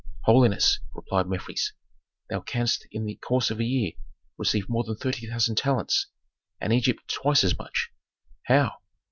"Holiness," replied Mefres, "thou canst in the course of a year receive more than thirty thousand talents, and Egypt twice as much." "How?"